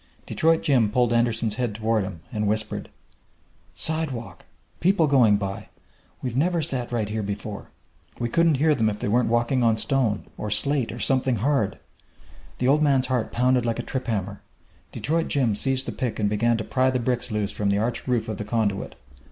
Detroit Jim pulled Andersen's head toward him, and whispered: "Sidewalk! People going by! We've never sat right here before! We wouldn't hear them if they weren't walking on stone, or slate, or something hard!" The old man's heart pounded like a trip hammer. Detroit Jim seized the pick and began to pry the bricks loose from the arched roof of the conduit.